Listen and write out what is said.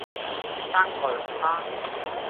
生菜龍蝦